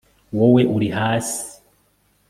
Wowe uri hasi